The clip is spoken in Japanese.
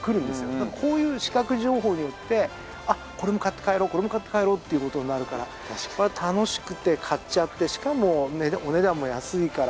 だからこういう視覚情報によってあっこれも買って帰ろうこれも買って帰ろうっていう事になるから楽しくて買っちゃってしかもお値段も安いから。